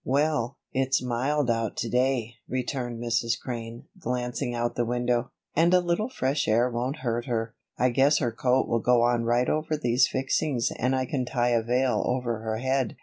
"Well, it's mild out to day," returned Mrs. Crane, glancing out the window, "and a little fresh air won't hurt her. I guess her coat will go on right over these fixings and I can tie a veil over her head.